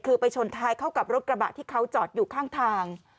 คือไปชนท้ายเข้ากับรถกระบะที่เขาจอดอยู่ข้างทาง